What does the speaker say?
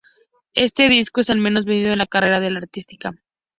Este disco es el menos vendido en la carrera de la artista.